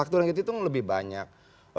tapi kalau ini lebih banyak